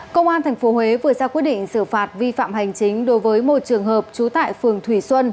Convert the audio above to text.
công an tp huế vừa ra quyết định xử phạt vi phạm hành chính đối với một trường hợp trú tại phường thủy xuân